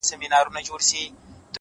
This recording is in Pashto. o دي مــــړ ســي؛